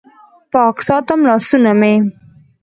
پاک ساتم لاسونه مې